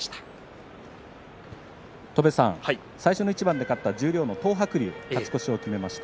最初の一番で勝った東白龍勝ち越しを決めました。